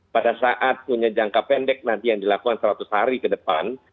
pada saat punya jangka pendek nanti yang dilakukan seratus hari ke depan